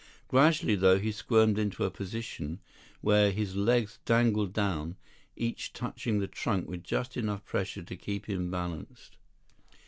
Gradually, though, he squirmed into a position where his legs dangled down, each touching the trunk with just enough pressure to keep him balanced.